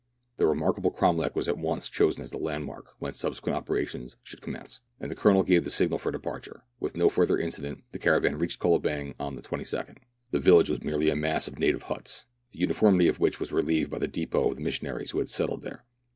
The remarkable cromlech was at once chosen as the landmark whence subsequent operations should com mence, and the Colonel gave the signal for departure. With no further incident the caravan reached Kolobeng on the 22nd, The village was merely a mass of native huts, the uniformity of which was relieved by the depot of the missionaries who had settled there.